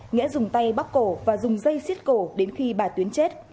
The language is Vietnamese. nghĩa dùng tay bóc cổ và dùng dây xiết cổ đến khi bà tuyến chết